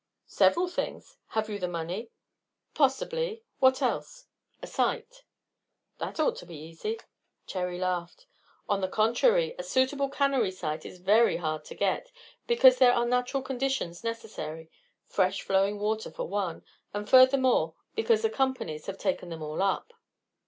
"Several things. Have you the money?" "Possibly. What else?" "A site." "That ought to be easy." Cherry laughed. "On the contrary, a suitable cannery site is very hard to get, because there are natural conditions necessary, fresh flowing water for one; and, furthermore, because the companies have taken them all up."